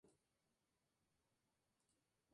Luego un paso en ligas del Interior del Fútbol de Córdoba.